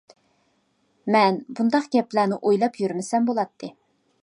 مەن بۇنداق گەپلەرنى ئويلاپ يۈرمىسەم بولاتتى.